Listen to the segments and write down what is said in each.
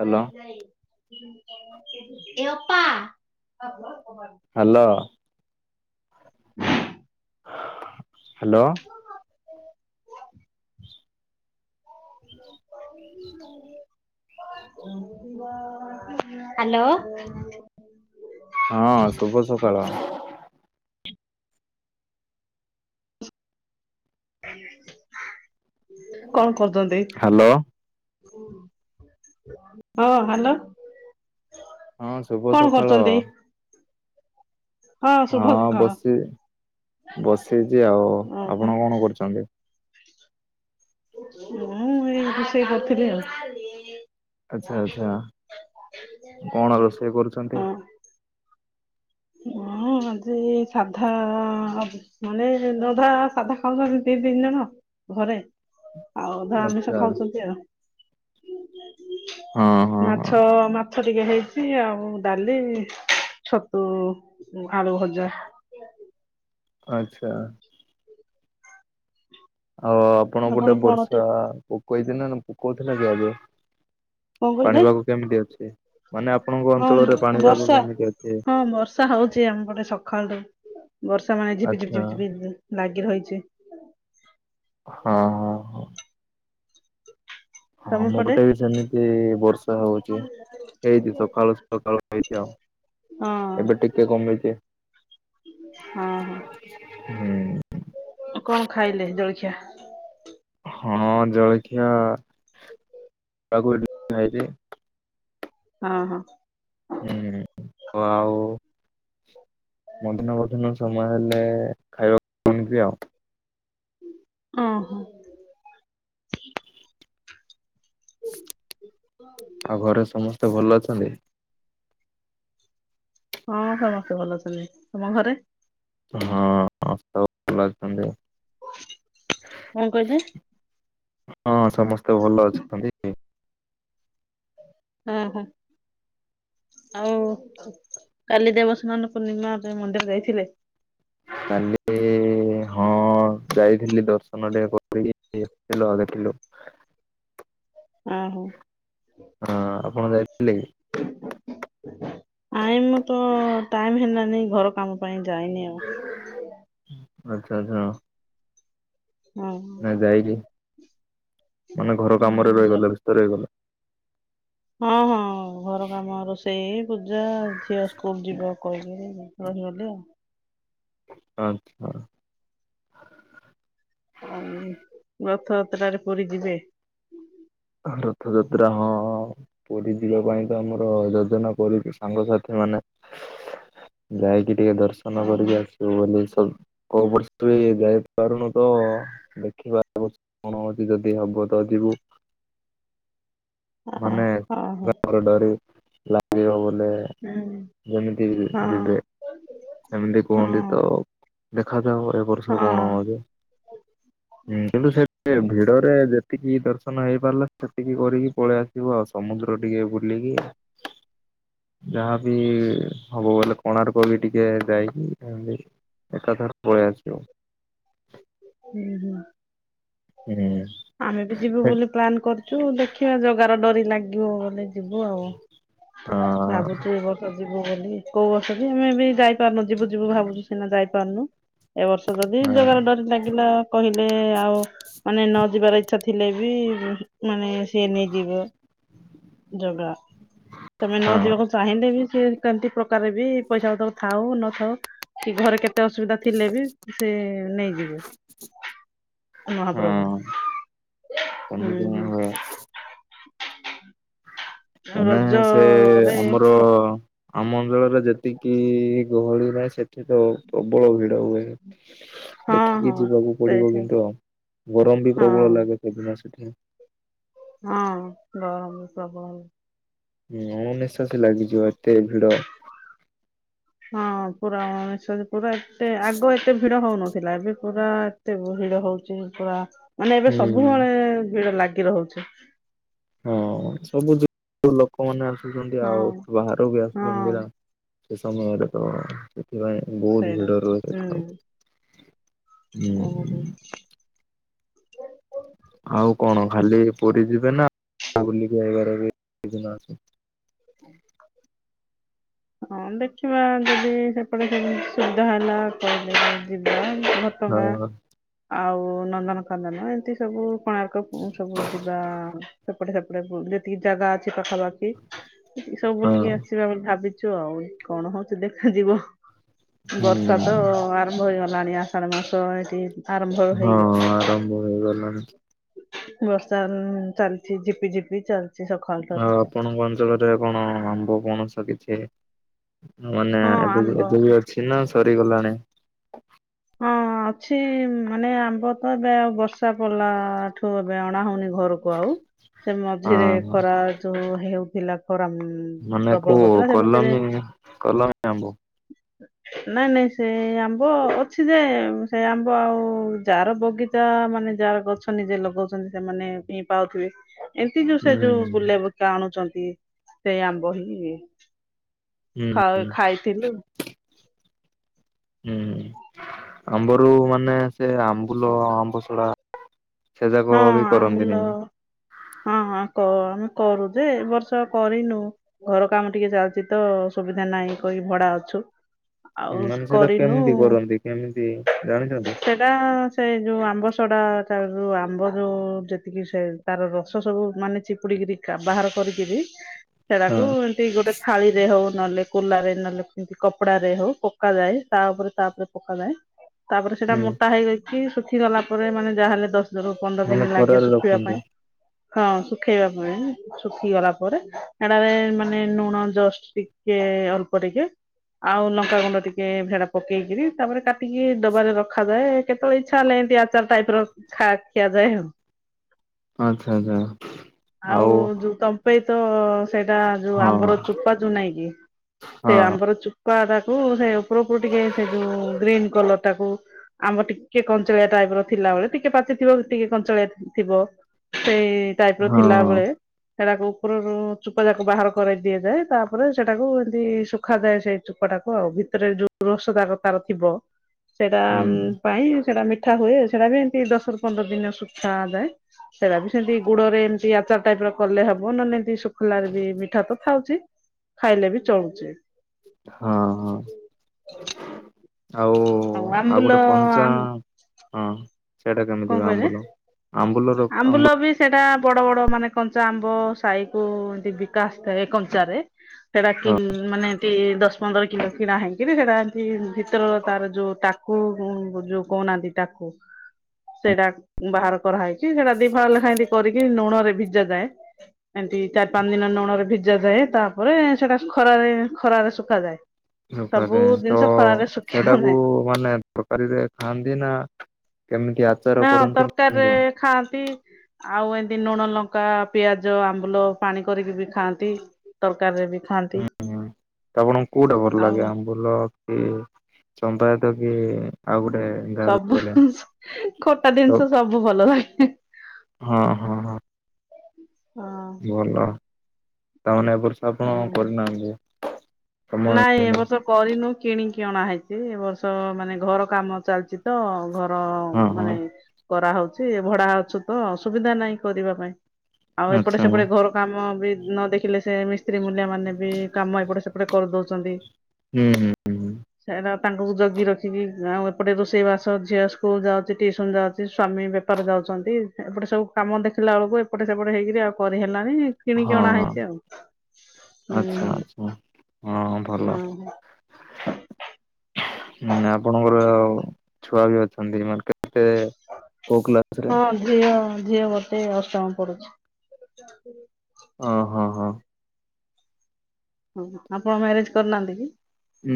Hello ଏ ଅପା। Hello. [inaudible] Hello. [inaudible] Hello. ହଁ ଶୁଭସକାଳ। କଣ ହାଲୋ। କଦଳୀଟେ। ହଁ ହ୍ୟାଲୋ। ହଁ କଣ ଶୁଭସକାଳ। କରୁଛନ୍ତି? ଶୁଭ ହଁ ସକାଳ। ବସି ବସିଚି ଆଉ ଓହୋ ଆପଣ କଣ କରୁଛନ୍ତି। ମୁଁ ଏଇ ରୋଷେଇ କରୁଥିଲି ଆଉ। ଆଛା ଆଛା କଣ ରୋଷେଇ ହଁ କରୁଛନ୍ତି? ଉମ‌ ଆଜି ସାଧା ମାନେ ରଧା ସାଧା ଖାଉନ୍ତ ଦି ତିନି ଜଣ। ଘରେ ଆଉ ଅଧା ଆମିଷ ଆଚ୍ଛା ଖାଉଛନ୍ତି ଆଉ। ହଁ ହଁ ମାଛ ହଁ। ମାଛ ଟିକେ ହେଇଛି ଆଉ ଡାଲି ଛତୁ। ଆଳୁ ଭଜା। ଆଚ୍ଛା। ଆଉ ଆପଣ ଗୋଟେ କଣ ଟି ବର୍ଷା [unintelligible] ପୋକୋଉଥିଲେ କି ଆଗ। କଣ ପାଣି କହିଲେ? ପାଗ କେମିତି ଅଛି ମାନେ ଆପଣଙ୍କ ହଁ ମ ଅଞ୍ଚଳରେ ପାଣି ପାଗ ବର୍ଷା କେମିତି ଅଛି। ହଁ ବର୍ଷା ହଉଛି ଆମ ପଟେ ସକାଳୁ ବର୍ଷା ମାନେ ଝିପି ଝିପି ଆଚ୍ଛା ଝିପି ଝିପି ଲାଗି ରହିଛି। ଛି। ହଁ ହଁ ହଁ। ହଁ ତମ ପଟେ? ଆମପଟେ ବି ସେମିତି ବର୍ଷା ହଉଛି ହେଇଛି ସକାଳୁ ସକାଳୁ ହେଇଛିି ଆଉ। ହଁ ଏବେ ଟିକେ କମିଚି। ହଁ ହଁ ହୁଁ ଆଉ କଣ ଖାଇଲେ ଜଳ ଚାହା‌। ହଁ ଜଳଖିଆ ତାକୁ। [unintelligible] ହଁ ହଁ। ହୁଁ ତ ଆଉ ମଧ୍ୟାହ୍ନ ଭୋଜନ ସମୟ ହେଲେ ଖାଇବାକୁ ଆଉ। ଓ ହୋ। ଆଉ ଘରେ ସମସ୍ତେ ଭଲ ଅଛନ୍ତି? ହଁ ସମସ୍ତେ ଭଲ ଅଛନ୍ତି ତମ ଘରେ? ହଁ [unintelligible] ଭଲ ଅଛନ୍ତି। କଣ କହିଲେ? ହଁ ସମସ୍ତେ ଭଲ ଅଛନ୍ତି। ହଁ ହଁ। ଆଉ କାଲି ଦେବସ୍ନାନ ପୂର୍ଣ୍ଣିମା ରେ‌ ମନ୍ଦିର ଯାଇଥିଲେ? କାଲି ହଁ। ଯାଇଥିଲି ଦର୍ଶନ ଟେକେ କରିକି [unintelligible] ଥିଲୁ। ଆ ହୋ। ହଁ ଆପଣ ଯାଇ ଆଇମ ତ ଟାଇମ ହେଲାନି ଘର କାମ ପାଇଁ ଯାଇନି ଆଉ। ଆଚ୍ଛା ଆଚ୍ଛା ଆ ହଁ ନା ଯାଇକି ମାନେ ଘର କାମରେ ଓହୋ ରହିଗଲେ ବ୍ୟସ୍ତରେ ରହିଗଲୋ। ହଁ ହଁ ଘର କାମ ରୋଷେଇ ପୂଜା ଝିଅ ସ୍କୁଲ ଯିବା [unintelligible] ରହିଗଲି ଆଉ। [unintelligible] ଆଉ ରଥଯାତ୍ରରେ ପୁରୀ ଯିବେ? ରଥଯାତ୍ରା ହଁ ହଁ ହଁ ପୁରୀ ଯିବା ପାଇଁ ତ ଆମର ଯୋଜନା କରିଛି ସାଙ୍ଗସାଥିମାନେ। ଯାଇକି ଟିକେ ଦର୍ଶନ କରିକି ଆସିବୁ ବୋଲି ସବୁ କୋଉ ବର୍ଷ ଯାଇପାରୁନୁ ତ ଦେଖିବା କଣ ଅଛି ଯଦି ହବ ତ ଯିବୁ। ଅ ମାନେ ହଁ ହଁ [unintelligible] ଡରି ଲାଗିବହୁତ୍। ଲେ ଯେମିତି ହଁ ଯିବେ ସେମିତି କୁହନ୍ତି ତ। ହଁ ଦେଖାାଯାଉ ଏ ବର୍ଷ ହଁ କଣ ହଉଛି କିନ୍ତୁ ସେ ଭି ଡରେ ଯେତିକି ଦସ୍ ନ ହେଇପାରିଲା ସେତିକି କରିକି ପଳେଇ ଆସିବୁ ଆଉ ସମୁଦ୍ର ଟିକେ ବୁଲିକି। ଯାହାବି ହବ ବୋଲେ କୋଣାର୍କ ବି ଟିକେ ଯାଇକି ଏନ୍ତି। ଏକ କଥା ପଳେ ଆସିବ। ହୁଁ ହୁଁ। ହୁଁ ଆମେ ବି ଯିବୁ ହେଟ୍ ବୋଲି ପ୍ଲନ୍ କରିୁଛୁ, ଦେଖିବା ଜଗାର ଡରି ଲାଗିବ ବୋଲେ ଯିବୁ ଆଉ ହଁ ଭାବୁଛି ଏ ବର୍ଷ ଯିବୁ ବୋଲି କୋଉ ବସ ଆମେ ଏବେ ଯାଇପାରୁନୁ ଯିବୁ ଯିବୁ ଭାବୁଛୁ ସିନା ଯାଇପାରୁନୁ। ଏବ ବର୍ଷ ଯଦି ଯୋଗାର ଡ଼ରି ଲାଗିଲା କହିଲେ ଆଉ ମାନେ ନ ନ ଯିବାର ଇଛା ଥିଲେ ବି ମାନେ ସିଏ ନେଇଯିବ ଜଗା ତମେ ନ ହଁ ଯିବାକୁ ଚାହିଁଲେ ବି କିଏ କାଦି ପ୍ରକାର ବି ପଇସାତର ଥାଉ ନଥାଉ କି ଘରେ କେତେ ତ ଅସୁବିଧା ଥିଲେ ବି ସେ ନେଇଯିବେ ମହାପ୍ରଭୁ ହଁ ହୁଁ ସେମିତି ହିଁ ହୁଁ [inaudible] ହୁଏ ଆଉ ମାନେ ସେ ରଜରେ ଆମର ଆମ ଅଞ୍ଚଳରେ ଯେତିକି ଗହଳି ନାହିଁ ସେଠ ତ ପ୍ରବଳ ଭିଡ ହୁଏ। ହଁ ଦେଖିକି ହଁ ଯିବାକୁ ପଡିବ ସେଇଠି କିନ୍ତୁ ଗରମ ବି ପ୍ରବଳ ହଁ ଲାଗେ ସେଦିନ ସେଦିନ ହଁ ଗରମ ପ୍ରବଳ ନମନେ ସାଥି ଲାଗିଯିବ ଏତେ ଭିଡ଼ ହଁ ପୁରା [unintelligible] ପୁରା ଏତେ ଆଗ ଏତେ ଭିଡ ହଉନ ଥିଲା ଏବେ ପୁରା ଏତେ ଭୁଲରେ ହଉଛି, ପୁରା ମାନେ ଏବେ ହୁଁ ସବୁବେଳେ ଭିଡ଼ ଲାଗ କିବ ହଉଛି। ହଁ ସବୁ ଲୋକମାନେ ଆସୁଛନ୍ତି ଆଉ ହଁ ବାହାର ବି ଆସୁଛନ୍ତି ହଁ ନା ସେ ସମୟରେ ତ ସେଥିପାଇଁ ବହୁତ ସେଇଟା ଭିଡ଼ ରହୁଛୀ ହୁଁ ସେଠଉ ହଁ। ଓହୋ [inaudible] ଆଉ କଣ ଖାଲି ପୁରୀ ଯିବେ ନା ବୁଲିକି। [unintelligible] ହଁ ଦେଖିବା ଯଦି ସେପଟେ ସେମିତି ସୁବିଧା ହେଲା [unintelligible] ଯିବା। ହଁ ଭଟଙ୍ଗା ଆଉ ନନ୍ଦନକନ୍ଦନ ଏମିତି ସବୁ କଣାର୍କ କୁ ସବୁ ଯିବା ସେପଟେ ସେପଟେ ଯେତିକି ଜାଗା ପାଖାପାଖି ସବୁ ହଁ ବୁଲିକି ଆସିବା ଭାବି ଚଆଉଇ କଣ ହଉଛି ଦେଖାଯିବ ବର୍ଷା ତ ହୁଁ ଆରମ୍ଭ ହେଇଗଲାଣି ଆ ଆସାଢ଼ ମାସ ଏଇଠି ଏଇଠ ହଁ ଆରମ୍ଭ ହେଇଗଲାଣି। ବର୍ଷା ଚାଲିଛି ଝିପି ଝିପି ଚାଲ ଆଉ ଆପଣଙ୍କ ଅଞ୍ଚଳରେ କଣ ଆମ୍ବ ପଣସ କିଛି ମାନେ ହଁ ଏବେ ବି ଆମ୍ବ ଏବେ ବି ଅଛି ନା ସରିଗଲାଣି। ହଁ ଅଛି ମାନେ ଆମ୍ବ ତ ଏବେ ଆଉ ବର୍ଷା ପଡ଼ିଲାଠୁ ଏବେ ଆଣା ହଉନି ଘରକୁ ଆଉ ସେ ହଁ ମଝିରେ ହଁ ଖରା ଯୋଉ ହେଉଥିଲା ଖରା ମ ମାନେ ପ୍ରବଳ କୋଉ ହଉଥିଲା ସେ ମଝିରେ କଲମୀ କଲମୀ ଆମ୍ବ ନାଇଁ ନାଇଁ ସେ ଆମ୍ବ ଅଛି ଯେ ସେ ଆମ୍ବ ଆଉ ଯାର ବଗିଚା ମାନେ ଯାର ଗଛ ନିଜେ ଲଗାଉଛନ୍ତି ସେମାନେ ପି ପାଉଥିବ ଏମିତି ଯୋଉ ସେ ହୁଁ ଯୋଉ ବୁଲେ ବୁକା ଆଣୁଛନ୍ତି ସେଇ ଆମ୍ବ ହିଁ। ହୁଁ ଖ ଖାଇଥିଲୁ ହୁଁ ଆମ୍ବରୁ ମାନେ ସେ ଆମ୍ବୁଲ ଆମ୍ବଶଢା ସେ ଯାକ ହଁ ବି ଆମ୍ବୁଲ କରନ୍ତିନିକି ହଁ ହଁ କ ଆମେ କରୁ ଯେ ଏ ବର୍ଷ କରିନୁ ଘର କାମ ଟିକେ ଚାଲିଛି, ତ ସୁବିଧା ନାହିଁ କହି ଭଡା ଛୁ ଆଉ ମାନେ ସେଇଟା କରିନୁ କେମିତି କରନ୍ତି କେମିତି ଜାଣିଛନ୍ତି? ସେଟା ସେ ଯୋଉ ଆମ୍ବ ସଢା ଟା ଯଉ। ଆମ୍ବ ଯୋଉ ଯେତିକି ସେ ତାର ରସ ସବୁ ମାନେ ଚିପୁଡିକରି ବାହାର କରିକିରି ହଁ। ସେଟାକୁ ଏମିତି ଗୋଟେ ଥାଳି ରେ ହଉ ନହେଲେ କୁଲାରେ ନ ଲେକ ମି କି କପଡାରେ ହଉ ପକାଯାଏ ତା ଉପରେ ତା ଉପରେ ପକାଯାଏ ତାପରେ ସେଟା ହୁଁ ମୋଟା ହେଇଯାଇ କି ଶୁଖିଗଲା ପରେ ମାନେ ଯାହାହେଲେ ଦଶ ରୁ ପନ୍ଦର ଦିନ ମାନେ ଲାଗେ ଖରାରେ ଶୁଖିବା ରଖନ୍ତି। ପାଇଁ। ହଁ ଶୁଖେଇବା ପାଇଁ ଶୁଖି ଗଲା ପରେ ଏଟାରେ ମାନେ ଲୁଣ ଜଷ୍ଟ ଟିକେ। ଅଳ୍ପ ଟିକେ। ଆଉ ଲଙ୍କା ଗୁଣ୍ଡ ଟିକେ ଭେଡା ପକେଇ କିରି ତାପରେ କାଟିକି ଡବାରେ ରଖାଯାଏ କେତେବେଳେ ଇଚ୍ଛା ହେଲେ। ଏମତି ଆଚାର ଟାଇପ ର ଖା ଖିଆଯାଏ ଆଉ । ଆଚ୍ଛା ଆଚ୍ଛା ଆଉ ଯୋଉ ତମ ପେଇ । ତ ସେଇଟା ଯୋଉ ହଁ ଆମ୍ବର ଚୋପା ଯୋଉ ନାଇଁ କି ସେ ହଁ ଆମ୍ବର ଚୁ ପା ଟାକୁ ସେ ଉପରକୁ ଟିକେ ସେ ଯୋଉ ଗ୍ରୀନ କଲର ଟାକୁ। ଆମ୍ୱ ଟିକେ କଞ୍ଚଳିଆ ଟାଇପ ର ଥିଲାବେଳେ ଟି ଟିକେ ପାଚିଥିବ ଟିକେ କଞ୍ଚାଳିଆ ଥି ଥିବ ସେଇ ଟାଇପ ର ହଁ ହଁ ଥିଲାବେଳେ। ସେଟାକୁ ଉପରରୁ ଚୁପା ଯାକୁ ବାହାର କରାଇ ଦିଆଯାଏ ତାପରେ ସେଟାକୁ ଏମିତି ଶୁଖାାଯାଏ ସେଇ ଚୁପଟା। ତାକୁ ଆଉ ଭିତରେ ଯୋଉ ରସ ଯାକ ତାର ଥିବ। ସେଇଟା ହୁଁ ପାଇଁ ସେଟା ମିଠା ହୁଏ ସେଟା ବି। ଦଶ ରୁ ପନ୍ଦର ଦିନ ଶୁଖା ଯାଏ ସେଇଟା ବି ସେମିତି ଗୁଡ ରେ ଏମିତି ଆଚାର ଟାଇପ ର କଲେ ହବ ନଲେ ଏମିତି। ଖୋଲାରେ ବି ମିଠା ତ ଥାଉଛି ଖାଇଲେ ବି ଚଳୁଛି। ହଁ ହଁ । ଆଉ ଆଉ ଗୋଟେ କଞ୍ଚା ହଁ। ସେଟା କେମିତି କଣ କା କହିଲେ? ଆମ୍ବୁଲ ଆମ୍ୱୁ ଆମ୍ବୁଲ ବି ସେଇଟା। ବଡ ବଡ ମାନେ କଞ୍ଚା ଆମ୍ବ ସାହି କୁ ଏମିତି ବିକା ଆସି ଥାଏ କଞ୍ଚାରେ। ସେଟା କି ମାନେ ଟି ଦ ଦଶ ପନ୍ଦର କିଲୋ କିଣା ହେଇକିରି ସେଟା ଏମତି ଭିତର ତାର ଯୋଉ ଟାକୁ ଯଉ କହୁ ନାହାନ୍ତି ଟା କୁ ସେଟା ବାହାର କରାହେଇ । ସେଟା ଦି ଫାଳ ଲେଖା ଏମତି କରିକି ନୁଣ ରେ ଭିଜା ଯାଏ ଏମତି ଚାରି ପାଞ୍ଚ ଦିନ ନୁଣ ରେ ଭିଜା ଯାଏ। ତାପରେ ସେଟା ଖରାରେ ଖରାରେ ଶୁଖାଯାଏ। ଶୁଖା ସବୁ ଯାଏ ତ ଜିନିଷ ଖରାରେ ସେଟାକୁ ଶୁଖାଯାଏ। ମାନେ ତକାରୀରେ ଖାଆନ୍ତି ନା। କେମିତି ଆ। ହଁ ତରକାରୀ ରେ ଖାଆନ୍ତି। ଆଉ ଏମତି ନୁଣ ଲଙ୍କା ପିଆଜ ଆମ୍ବୁଲ ପାଣି କରିକି ବି ଖାଆନ୍ତି ତରକାରୀରେ ବି। ଖାଆନ୍ତି ହୁଁ ହୁଁ ଆପଣଙ୍କୁ କୋଉଟା ଭଲ ଆଉ ଲାଗେ ଆମ୍ବୁଲ କି ଚମ୍ୱା । କି ଆଉ। ଗୋଟେ ଯାହାର ସବୁ କହିଲେ? ଖଟା ତ ଜିନିଷ ସବୁ ଭଲ ଲାଗେ। ହଁ ହଁ ହଁ। ହଁ ଭଲ। ତାମାନେ ଏବ ବର୍ଷ ଆପଣ ଉହୁଁ। କରି ନାହାନ୍ତି। ନାଇଁ ଏ ବର୍ଷ କରିନୁ। କିଣିକି ଅଣା ହେଇଛି ଏ ବର୍ଷ ମାନେ ଘର କାମ ଚାଲିଛି ତ ଘ ର ହଁ ମାନେ ହଁ କରାହଉଛି ଭଡ଼ା ଅଛୁ ତ ସୁବିଧା ନାହିଁ କରିବା ପାଇଁ। ଆଉ ଏପଟେ ଆଚ୍ଛା ହଁ ସେପଟେ ଘର କାମ ବି ନ ଦେଖିଲେ ସେ ମିସ୍ତ୍ରୀ ମୂଲିଆ ମାନେ ବି କାମ ଏପଟେ ସେପ ପଟେ କରିଦଉଛନ୍ତି ହୁଁ ହୁଁ ହୁଁ ସେଟା ତାଙ୍କୁ ଜଗି ରଖିକି ଆଉ ଏପଟେ ରୋଷେଇ ବାସ ଝିଅ ସ୍କୁଲ ଯାଉଛି ଟିଉସନ ଯାଉଛି ସ୍ଵାମୀ ବେପାର ଯାଉଛନ୍ତି ଏପଟେ ସବୁ। କାମ ଦେଖିଲା ବେଳକୁ ଏପଟେ ସେପଟେ ହେଇକରି ଆଉ କରିହେଲା ନି କିଣିକି ଅଣା ହଁ ହେଇଛି ଆଉ ହୁଁ ଆଚ୍ଛା ହୁଁ। ଆଚ୍ଛା। ହଁ ଭଲ ହଁ ମାନେ ଆପଣଙ୍କର ଆଉ । ଛୁଆ ବି ଅଛନ୍ତି ମାନେ କେତେ କୋଉ କ୍ଲାସ ରେ? ହଁ ଝିଅ ଝିଅ ଗୋଟେ ଅଷ୍ଟମ ପଢ଼ୁଛି। ଓ ହୋ ହୋ। ହ ଆପଣ ମ୍ୟାରେଜ କରିନାହାନ୍ତି କି?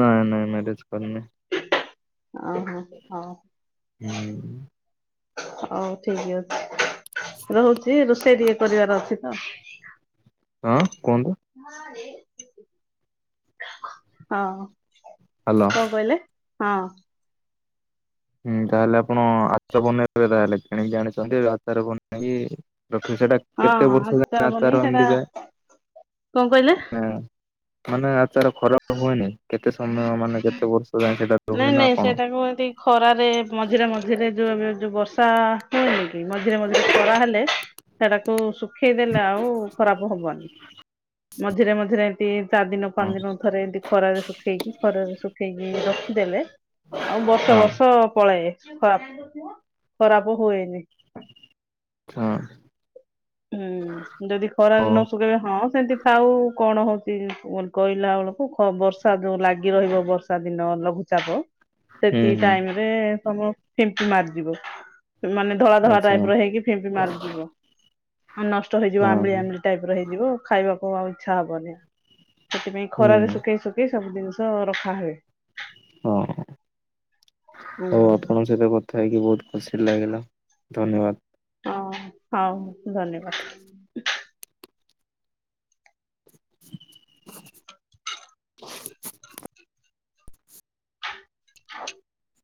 ନାଇଁ ନାଇଁ ମ୍ୟାରେଜ କରିନି। ଓହୋ ହଉ ହୁଁ। ହଉ ଠିକ୍ ଅ ରହୁଛି ରୋଷେଇ ଟିକେ କରିବାର ଅଛି ତ। ହଁ କୁହ ହଁ। ହ୍ୟାଲୋ। କଣ କହିଲେ ହଁ। ହୁଁ ତାହାଲେ ଆପଣ ଆଚାର ବନେଇବେ ତାହେଲେ କିଣିକି ଆଣିଛନ୍ତି ଆଚାର ବନେଇକି ରଖିବେ ସେଟା ହଁ କେତେ ବର୍ଷ ଯାଏ ବନେଇ ଆଚାର ସେଟା ଏମିତି ଯାଏ? କଣ କହିଲେ? ହୁଁ ମାନେ ଆ ଆଚାର ଖରାପ ହୁଏନି? କେତେ ସମୟ ମାନେ କେତେ ବର୍ଷ ଯାଏ ସେଟା ରୁହେ ନା କଣ? ରେ ମଝିରେ ମଝିରେ ଯୋଉ ଏବେ ଯୋଉ ବର୍ଷା ହୁଏନି କି ମଝିରେ ମଝିରେ ଖରା ହେଲେ ସେଟାକୁ ଶୁଖେଇଦେଲେ ଆଉ ଖରାପ ହବନି ମଝିରେ ମଝିରେ ଏମତି ଚାରିଦିନ ହଁ ପାଞ୍ଚଦିନ ଏମିତି ଖରାରେ ଶୁଖେଇକି ଖରାରେ ଶୁଖେଇକି ରଖିଦେଲେ ଆଉ ବର୍ଷ ବର୍ଷ ପଳାଏ। ଏ ଖରାପ ଖରାପ ହୁଏନି। ହଁ। ହୁଁ ଯଦି ଖରାରେ ହଉ। ନ ଶୁଖେଇବେ ହଁ ସେମିତି ଥାଉ କଣ ହଉଛି କହିଲା ବେଳକୁ ଖ ବର୍ଷା ଯେଉଁ ଲାଗି ରହିବ ବର୍ଷା ଦିନ ଲଘୁଚାପ ହୁଁ ସେତିକି ହୁଁ ଟାଇମରେ ତମେ ଫିମ୍ପି ମାରିଯିବ ମାନେ ଧଳା ଧଳା ଆଚ୍ଛା ଟାଇପ ର ହେଇକି ଫିମ୍ପି ମାରିଯିବ। ଆଉ ନଷ୍ଟ ହେଇଯିବ ହଁ ଆମ୍ୱିଳି ହଁ। ଆମ୍ୱିଲି ଟାଇପର ହେଇଯିବ ଖାଇବାକୁ ଆଉ ଇଚ୍ଛା ହବନି। ସେଥିପାଇଁ ଖରାରେ ହୁଁ ଶୁଖେଇ ଶୁଖେଇ ସବୁ ଜିନିଷ ରଖା ହୁଏ। ହଁ ହୁଁ, ହଉ ଆପଣଙ୍କ ସହିତ କ ଥା ହେଇକି ବହୁତ ଖୁସି ଲାଗିଲା ଧନ୍ୟବାଦ। ହଁ ହଉ ଧନ୍ୟବାଦ। [unintelligible]